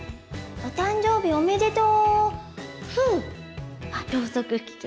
お誕生日おめでとう。